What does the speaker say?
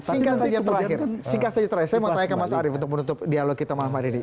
singkat saja terakhir singkat saja terakhir saya mau tanya ke mas arief untuk menutup dialog kita malam hari ini